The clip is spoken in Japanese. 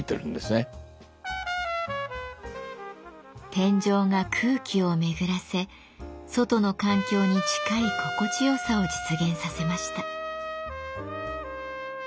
天井が空気を巡らせ外の環境に近い心地よさを実現させました。